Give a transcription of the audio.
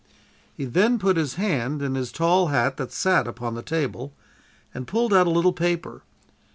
"He then put his hand in his tall hat that sat upon the table, and pulled out a little paper.